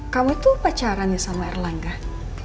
kamu tuh pacaran ya sama erlang gak